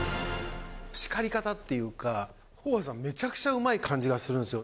しかり方というか、ホーバスさん、めちゃくちゃうまい感じがするんですよ。